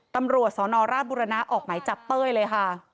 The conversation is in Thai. ตำรวจสนราชบุรณะออกไหมจับเต้ยเลยค่ะ